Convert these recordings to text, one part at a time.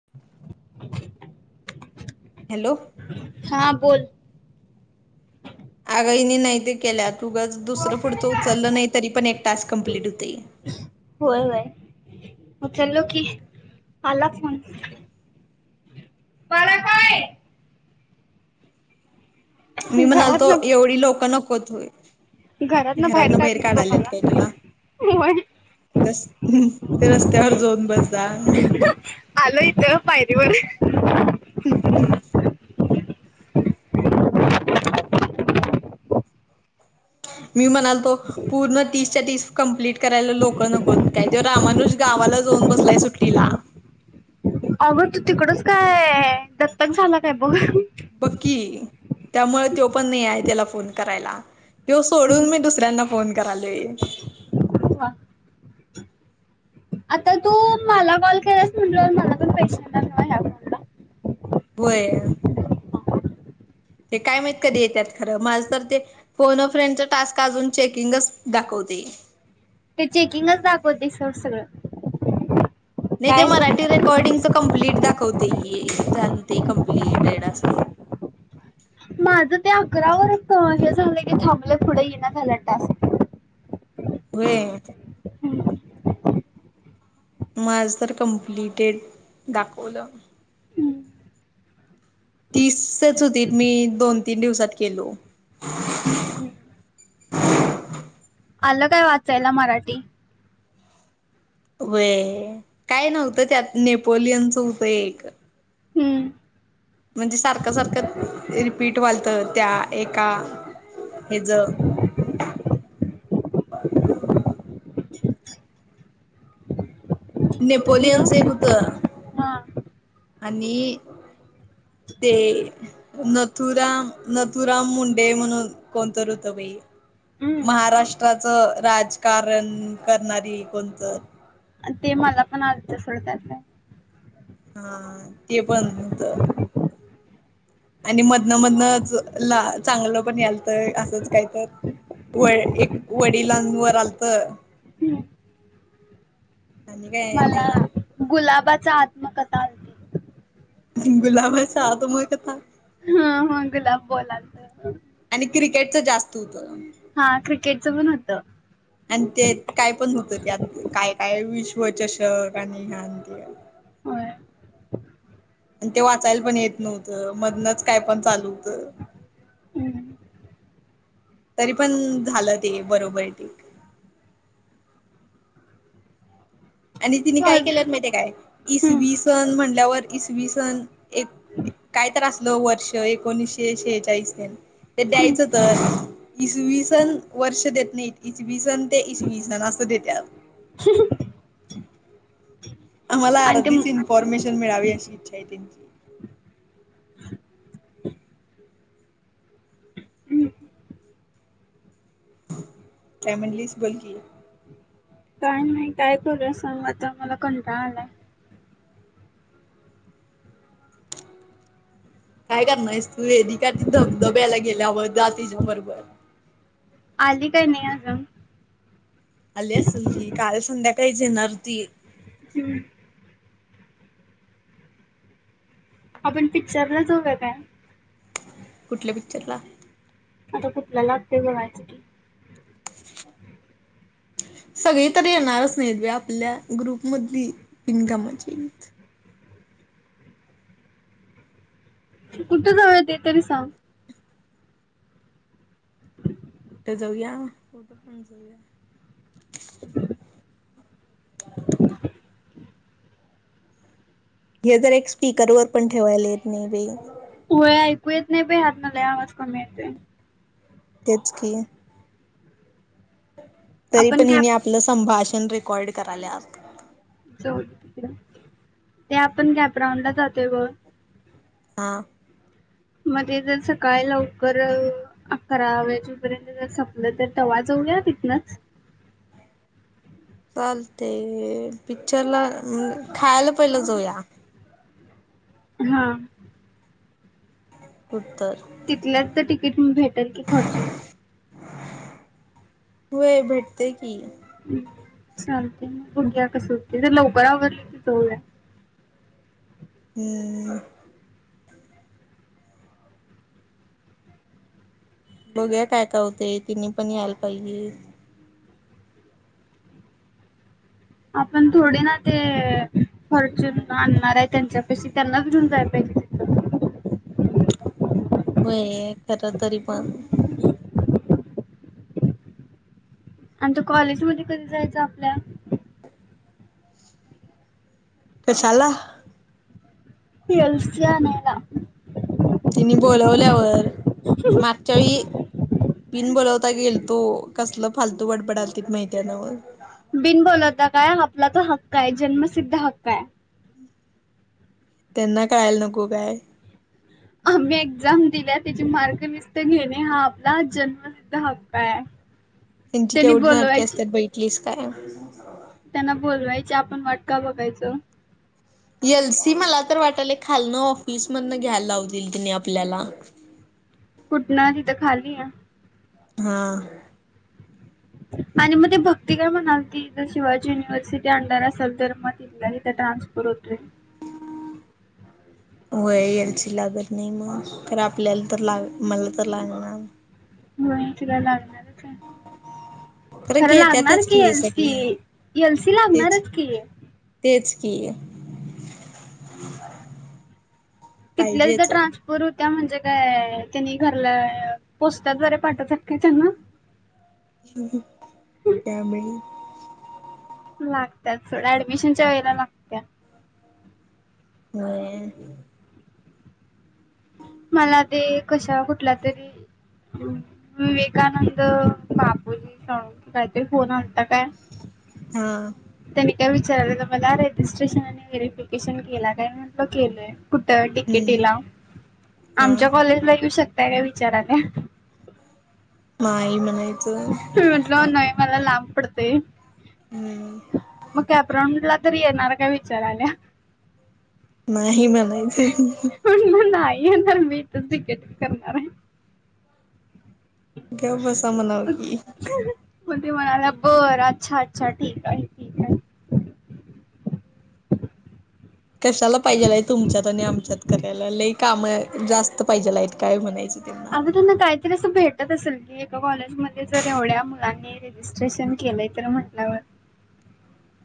[inaudible] Hello हा बोल आगाईने नाही ते केल्या तुगं दुसरं पुढचं उचललं नाही तरी पण एक टास्क कंप्लीट होते होय होय मग ललो की आला फोन मला काय मी म्हणाल घरात तो ना एवढी लोक नकोत घरात ना घरातन बाहेर काढलीत बघ काढायलात मला काय तुला होय ते रस्त्यावर जाऊन बस जा आलो इथं पायरी ब हम् हम् मी म्हणालतो पूर्ण तीसच्या तीस कं्प्लीट करायला लोकं नकोत काय जेव रामानुष गावाला जाऊन बसलाय सुट्टीला अगड तू तिकडच काय दत्तक झाला काय बघ बकी त्यामुळे तो पण नाही आहे त्याला फोन करायला तो सोडून मी दुसऱ्यांना फोन करालो वा. आता तू मला कॉल केलास म्हटलं मला तो पेशंटला हो ते काय माहीत कधी येतात खरं माझ तर ते फोनो फ्रेंडचा टास्क अजून चेकिंगच दाखवते ते चेकिंगच दाखवते सर सगळं नाही ते काय मराठी सगळं रेकॉर्डिंगच कमप्लीट दाखवते झाल ते कमप्लिटेड असं माझ ते अकरा वच हे सगलंय की थांबलं पुढे ये ना झालं टस्ट होय मग आज तर कम्प्लिटेट दाखवलं तीसच होती मी दोन तीन दिवसात केलो आलं काय वाचायला मराठी वे काय नव्हतं त्यात नेपोलियनचं होतं एक हम् म्हणजे सारखं सारखं रिपीट वालतं त्या एका ह ज हॅलो नेपोलियनच एक हुतं. हा आणि ते. नथुराम नथुराम मुंडे म्हणून कोण तर ऋत बाई. हम्म महाराष्ट्राचं राजकारण करणारी कोणतं ते मला पण आजज सडतच आहे हा ते पण होत आणि मधनं मधनं ला चांगलं पण याल तर असंच काय तर व एक वडिलांवर आलत हम्म. अणी काय मला नई. गुलाबाचा आत्मकथा. आलती गुलाबचा आत्मकथा. हं हं गुलाब बोलाल. आणि क्रिकेटच जास्त होतं. हा क्रिकेटच पण होतं. आणि ते काय पण होतं त्यात काय काय विश्वचषक आणि हेन ते. होय आणि ते वाचायला पण येत नव्हतं, मधनच काय पण चालू होतं. हम्म. तरी पण झालं ते बरोबर ते. आणि तिने काय आज- केल्यात माहितीय काय, हम्म, इसवी सण म्हणल्यावर इसवी सण एक काय तर असल वर्ष एकोणीशे शेहचाळीस तेन ते हम्म. द्यायचं तर. इसवी सन वर्ष देत नाइत. इसवी सन ते इसवी सन असं देत्या. आम्हाला आणि ते अर्धीच इन्फॉर्मशन मिळावी अशी इच्छा आहे त्यांची. काय मणलीस बघितल. काय नाही काय करूया सांग, आता मला कंटाळ आलाय. काय करणार आहेस तू वेदिका ती धबधब्याला गेल्यावर जा तिच्या बरोबर. आली काय नाही अजून. आली असल ही काल संध्याकाळीच येेणारती. आपण पिक्चरला जाऊ काय. कुठल्या पिक्चरला. कुटल लागतंय बागायचं की. सगळी तरी येणारच नाहीत बाई आपल्या ग्रुप मधली बीनकामाची कुट जाऊया ते तरी सांग. कुट जाऊया. कोटं पण जाऊया. हे तर एक स्पीकर वर पण ठेवायला येत नाही बे. होय ऐकू येत नाही बाई ह्यातन लई आवाज कमी येतय. तेच की. तरी आपण पण कॅप हिने आपलं संभाषण रेकॉर्ड कराल्यात. चौ. ते आपण कॅपराऊंड ला जातय ब. हा. मध्ये जर सकाळी लवकर अ. अकरा वाजेपर्यंत जर संपलं तर तवा जाऊया तिथनच. चालते. पिच्चरला, खायला पहिलं जाऊया. हा. कुठतर. तिथल्या तित तिकीट भेटेल की फॉर्चूनला. होय भेटतय की. ह् चालतय मग बघ्या कसं होते तर लवकर आवरल की जऊया. हम्म. बगुया काय काय होते तिने पण यायला पाहिजे. आपण थोडे ना ते फॉर्चून आणणार हाय त्यांच्या पशी, त्यांनाच घेऊन जायला पाहिजे. तिथं होय एक तर तरी पण आणि तो कॉलेज मध्ये कधी जायचा आपल्या कशाला ती येल सी आनयला. तिने बोलवल्यावर. मागच्या वेळी पिन बोलावता गेल तो कसल फालतू बडबडालतित माहिती न्हवं. बिन बोलवता काय आपला तो हक्क आहे, जन्मसिद्ध हक्क आहे. त्यांना कळायला नको काय. आम्ही एक्झाम दिल्या त्याचे मार्क लिस्ट घेणे हा आपला जन्म सिद्ध हक्क आहे. त्यांची त्यांनी केवढी नाटके बोलवायची असतात बघितलीस काय त्यांना बोलवायचे आपण वाट का बघायचं एल सी मला तर वाटायल खालन ऑफिस मधन घ्यायला लावतील त्यानी आपल्याला कुठन तिथ खाली ना हा आणि मग ते भक्ती काय म्हणाल ती शिवाजी युनिव्हर्सिटी अंडर असेल तर मग नाही तर ट्रान्सफर होतोय. व्हय एल सी लागत नाही म्हणून मग आपल्याला तर लाग मला तर लागणार. होय तिला लागणारच आहे. खरं लागणार घेत्यातच की ही एल सी सगळी एल सी तेच लागणारच की तेच की तिथल्या तिथ पाहिजेच ट्रान्स फर करून म्हणजे काय त्यांनी घरला पोस्टाद्वारे पाठवतात का त्यांना त्यामुळे लागत्यात सोड ऍडमिशनच्या वेळेला लागत्यात. हम्म. मला ते कशा कुठल्या तरी विवेकानंद बापूजी चा काय ते फोन आलता काय हा त्यांनी काय विचारलेल तर मला रेजिस्ट्रेशन आणि व्हेरीफिकेशन केला नाही म्हटलं केलंय. कुठ टी के हम्म टी लावून हा आमच्या कॉलेजला येऊ शकताय का विचारायले. नाई म्हणायच. मी म्हटलं नाही मला लांब पडतय. हम्म मग कॅप रांऊडला तर येणार काय विचारायल्या. नाही म्हणायचं. पण म नाही येणार मी तर तिकेट करणार आहे. गप बसाव म्हणाव की म्हणजे म्हणाल्या बरं अच्छा अच्छा ठीक आहे. आहे कशाला पाहिजेल आहे तुमच्यात आणि आमच्यात करायला लई काम जास्त पाहिजेल आहेत काय म्हणायचे. आता त्यांना काहीतरी असं भेटत असेल की एका कॉलेजमध्ये जर एवढ्या मुंलानी रेजिस्ट्रेशन केलंय तर म्हटल्यावर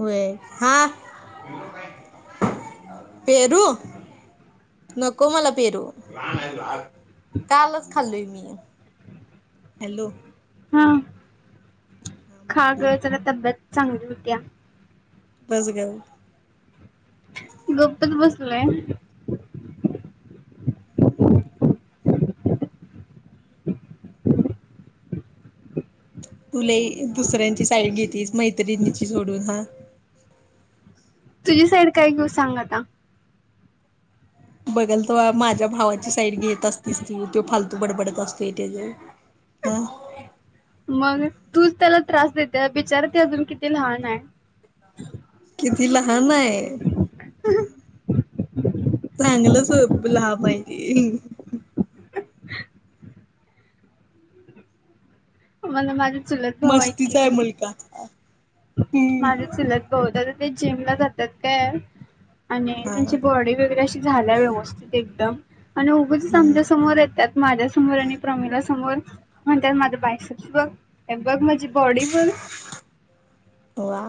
होय हा. पेरू नको मला पेरू कालच खाल्लोय मी हॅलो. हा हा बोल खा की ग जरा तब्येत चांगली होतीया. बस ग. गपच बसलंय. तुला दुसऱ्यांची साईड घेततीस मैत्रिणीची सोडून हा. तुझी साईड काय घेऊ सांगा आता बघल तेव्हा माझ्या भावाची साईड घेत असतीस ती तो फालतू बडबडत असतो त्या [unintelligible] मग तूच त्याला त्रास देतेय बिचारा ते अजून किती लहान आहे. किती लहान आहे. चांगलंच लांब आहे ते मला माझे चुलत भाऊ आहेत की मस्तीचा आहे ग मुलगा हम्म माझे चुलत बहुतेक ते जिम ला जात्यात काय आणि हा त्यांची बॉडी वगैरे अशी झाल्या व्यवस्थित एकदम आणि उगचच आमच्या हम्म समोर येत्यात. माझ्या समोर आणि प्रमीिला समोर म्हणतात माझं बायस बघ. बघ माझी बॉडी बघ. ववा.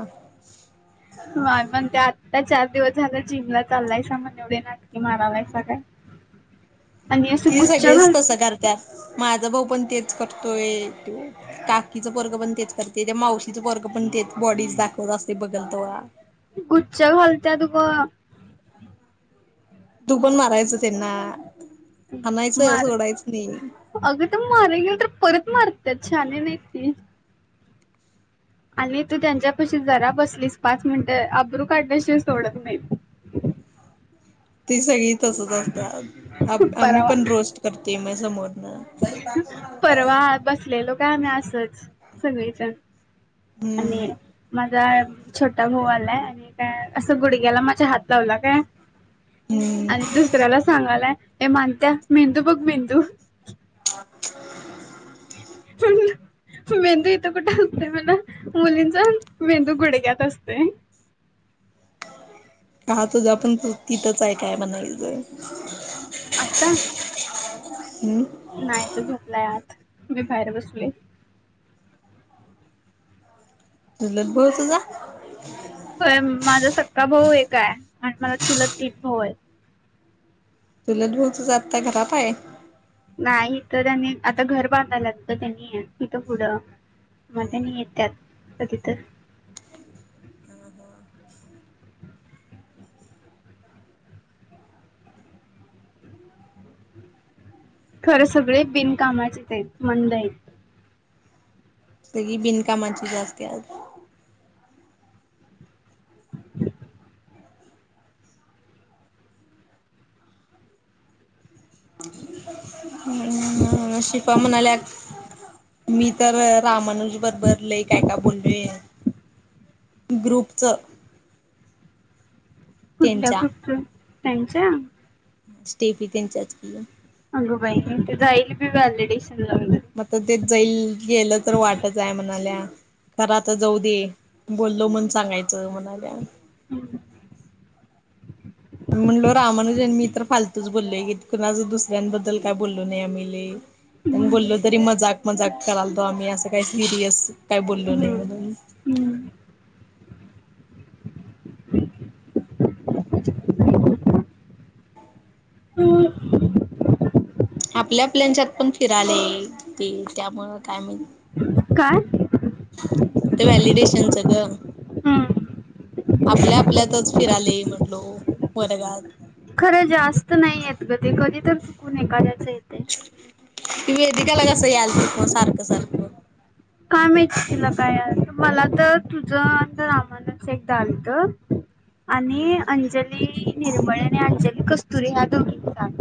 य मण ते आत्ता चार दिवस झालं जिमला चाललायसा मग एवढे नाटके मारालाय स काय? आणि असं गुच्च घालत. त्या माझा भाऊ पण तेच करतोय ते काकीच पोरगं पण तेच करते ते मावशीचा पोरगं पण तेच बॉडीज दाखवत असते बघल त. गुच्छ घालत तु ग. तू पण मारायच त्यांना हणायचं सोडायचं नाही. अगर तर मारा गेल तर परत मारतात छान नाही त. आणि तू त्यांच्या पशी जरा बसलीस पाच मिनटं अब्रू काढण्याशिवाय सोडत नाही [inaudible] ती सगळी तसच असतात आम्ही परवा पण रोस्ट करते मग समोरन भाई काय तर म्हणातायत परवा बसलेलो का आम्ही असंच सगळीजण हम्म आणि माझा छोटा भाऊ आलाय आणि काय असं गुडघ्याला माझ्या हात लावला काय हम्म आणि दुस दुस ऱ्याला सांगालाय माणकया मेंदू बघ मेंदू ह [unintelligible] [unintelligible] मेंदू इथं कुठे असतोय म्हण मुलींचा मेंदू गुडघ्यात असतोय. हह तुझ आपण तिथंच आहे काय म्हणायचंय आता हम्म नाही तो झोपलाय आज आज मी बाहेर बसलोय चुलत भाऊ तुझा होय माझा सख्खा भाऊ एक आहे आणि मला चुलत तीन भाऊ आहे चुलत भाऊ आता घरात आहे नाही इथ त्यांनी आता घर बांधायला लागेलत त्यांनी तिथं पुढं मग त्यांनी येतयात कधी तर ह हा [unintelligible] ह [unintelligible] खरं सगळे बिनकामाचे आहेत मंद आहेत सगळी बिन कामाांची असत्यात. हम् शिफा म्हणाल्या मी तर रामानु बबर लय काय काय बोललोय ग्रुपच कुठल्या त्यांच्या ग्रुपचं त्यांच्या स्टेफी त्यांचाच की अगं बाई! जाईल बी व्हॅलिडेशन लागल तर मग ते जाईल गेलं तर वाटच आहे म्हणाल्या. खर आता जाऊ दे,, बोललो म्हणून सांगायचं म्हणाल्या. हमम मी म्हणलो रामानुजन मी तर फालतूच बोललोय गे,,, कुणाच दुसऱ्यांबद्दल काय बोललो नाही आम्ही लय. पण हम्म. बोललो तरी मजाक मजाक करायल तो आम्ही असं काही सिरियस काय बोललो नाही म्हणून. हम्म. [inaudible] हम आपल्या आपल्याच्यात पण फिराले ते त्यामुळं काय म्हण काय [inaudible] ते व्हॅलिडेशन च गं हंम, आपल्या आपल्यातच फिरालोय, म्हटलो, वर्गात. खरं जास्त नाही येत ग ते, कधी तर चुकून एखाद्याचं येतय. ती वेदिकाला कसं याल तिथ मग सारखं सारखं. काय माहित? तिला काय आलत,, मला तर तुझं अ रामानंदच एकदा आलतं. आणि हम्म अंजली निर्मळे, आणि अंजली कस्तुरे ह्या दोघीच आलतं